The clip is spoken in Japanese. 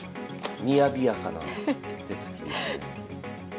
みやびやかな手つきですね。